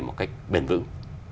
một cách bền vững